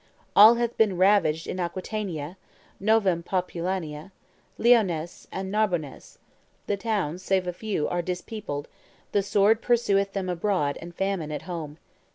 All hath been ravaged in Aquitania (Novempopulania), Lyonness, and Narbonness; the towns, save a few, are dispeopled; the sword pursueth them abroad and famine at home.